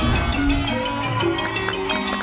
โอเคครับ